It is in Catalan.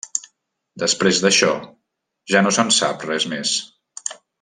Després d'això, ja no se'n sap res més.